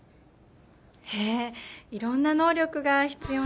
へぇいろんな能力が必要なんですね。